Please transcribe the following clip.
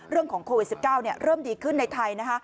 เรื่องของโควิด๑๙เริ่มดีขึ้นในไทย